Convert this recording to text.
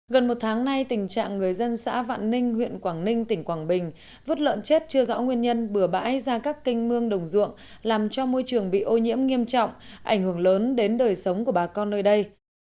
gần một tháng nay tình trạng người dân xã vạn ninh huyện quảng ninh tỉnh quảng bình vứt lợn chết chưa rõ nguyên nhân bừa bãi ra các kênh mương đồng ruộng làm cho môi trường bị ô nhiễm nghiêm trọng ảnh hưởng lớn đến đời sống của bà con nơi đây